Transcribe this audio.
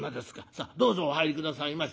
さあどうぞお入り下さいまし。